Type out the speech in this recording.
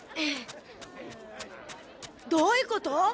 どういうこと？